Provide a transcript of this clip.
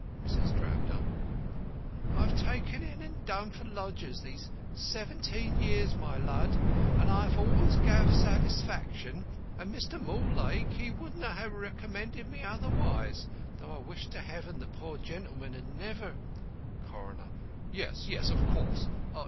MRS. DRABDUMP: I have taken in and done for lodgers this seventeen years, my lud, and have always gave satisfaction; and Mr. Mortlake, he wouldn't ha' recommended me otherwise, though I wish to Heaven the poor gentleman had never CORONER: Yes, yes, of course.